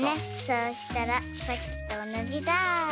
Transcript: そうしたらさっきとおなじだ。